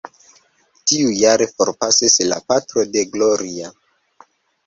Tiujare, forpasis la patro de Gloria.